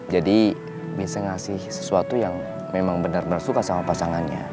jadi bisa ngasih sesuatu yang memang benar benar suka sama pasangannya